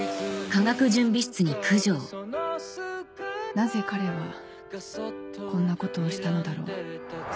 なぜ彼はこんなことをしたのだろう